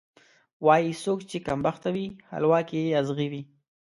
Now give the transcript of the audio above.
وایي: څوک چې کمبخته وي، حلوا کې یې ازغی وي.